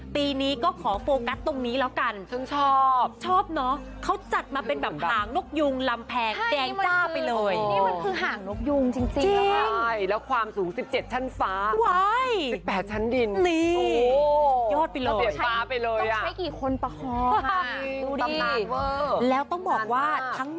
ปีนี้ก็ขอโฟกัสตรงนี้แล้วกัน